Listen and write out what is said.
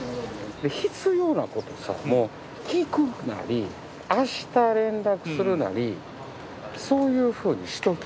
必要なことさ聞くなり明日連絡するなりそういうふうにしとき。